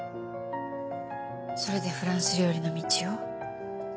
それでフランス料理の道を？